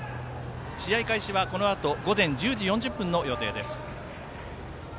試合開始は、このあと午前１０時４０分の予定です。